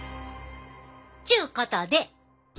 ちゅうことで。